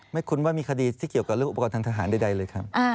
คุ้นว่ามีคดีที่เกี่ยวกับเรื่องอุปกรณ์ทางทหารใดเลยครับ